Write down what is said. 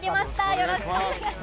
よろしくお願いします。